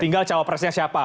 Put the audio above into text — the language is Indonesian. tinggal jawabannya siapa